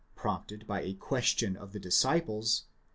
prompted by a question of the disciples